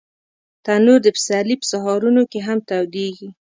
تنور د پسرلي په سهارونو کې هم تودېږي